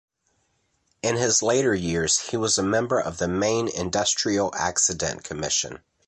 In his later years he was a member of the Maine Industrial Accident Commission.